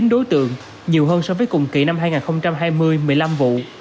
bắt một trăm bốn mươi chín đối tượng nhiều hơn so với cùng kỳ năm hai nghìn hai mươi một mươi năm vụ